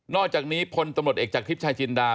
อกจากนี้พลตำรวจเอกจากทริปชายจินดา